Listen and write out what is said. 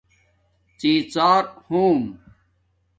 ڎی ڎار ہوم